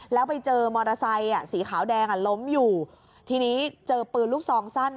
แล้วไปเจอมอเตอร์ไซค์สีขาวแดงอ่ะล้มอยู่ทีนี้เจอปืนลูกซองสั้น